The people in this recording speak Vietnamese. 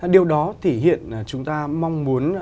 điều đó thể hiện chúng ta mong muốn